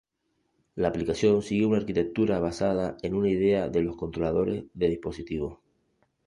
La aplicación sigue una arquitectura basada en una idea de los controladores de dispositivo.